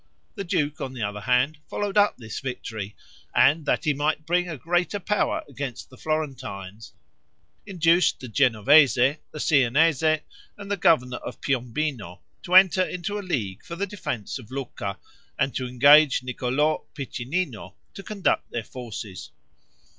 The duke, on the other hand, followed up this victory, and that he might bring a greater power against the Florentines, induced the Genoese, the Siennese, and the governor of Piombino, to enter into a league for the defense of Lucca, and to engage Niccolo Piccinino to conduct their forces.